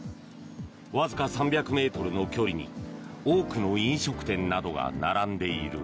わずか３００ｍの距離に多くの飲食店などが並んでいる。